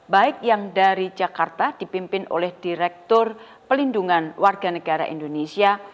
baik yang dari jakarta dipimpin oleh direktur pelindungan warga negara indonesia